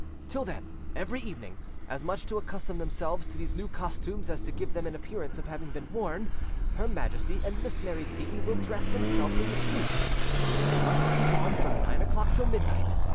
"Till then, every evening, as much to accustom themselves to these new costumes as to give them an appearance of having been worn, her Majesty and Miss Mary Seyton will dress themselves in the suits, which they must keep on from nine o'clock till midnight.